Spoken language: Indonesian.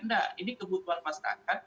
tidak ini kebutuhan masyarakat